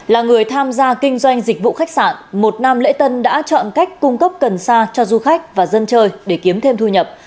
là người tham gia kinh doanh dịch vụ khách sạn một năm lễ tân đã chọn cách cung cấp cần sa cho du khách và dân chơi để kiếm thêm thu nhập